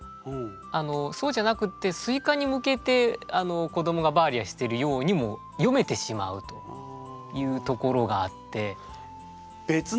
あのそうじゃなくって「スイカ」に向けて子どもが「バーリア」してるようにもよめてしまうというところがあって。